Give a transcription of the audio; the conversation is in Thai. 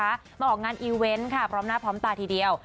มาออกงานอีเวนต์ค่ะพร้อมหน้าพร้อมตาทีเดียว